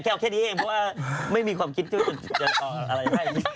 แค่นี้เองเพราะว่าไม่มีความคิดที่ว่าจะต่ออะไรให้